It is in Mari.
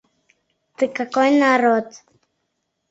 Ты какой народ?